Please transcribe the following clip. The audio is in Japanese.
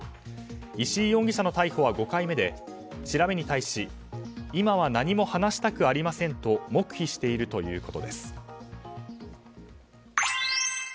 石井容疑者の逮捕は５回目で調べに対し今は何も話したくありませんと黙秘しているということです。